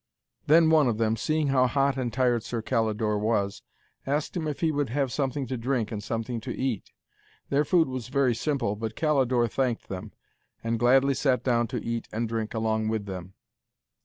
Then one of them, seeing how hot and tired Sir Calidore was, asked him if he would have something to drink and something to eat. Their food was very simple, but Calidore thanked them, and gladly sat down to eat and drink along with them.